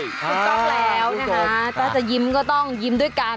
ถูกต้องแล้วนะคะถ้าจะยิ้มก็ต้องยิ้มด้วยกัน